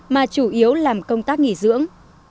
mà chủ yếu làm công tác nghỉ dưỡng